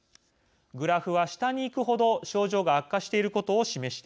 グラフは下にいくほど症状が悪化していることを示しています。